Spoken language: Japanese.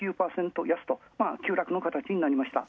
急落の形になりました。